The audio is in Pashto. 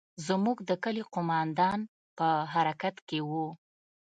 زموږ د کلي قومندان په حرکت کښې و.